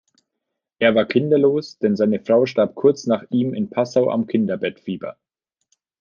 Er war kinderlos, denn seine Frau starb kurz nach ihm in Passau am Kindbettfieber.